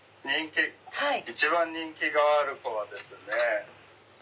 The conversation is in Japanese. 一番人気がある子はですね。